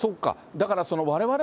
だからわれわれ、